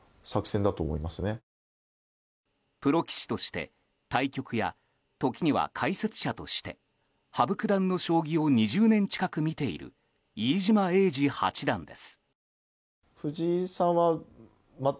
プロ棋士として対局や、時には解説者として羽生九段の将棋を２０年近く見ている飯島栄治八段です。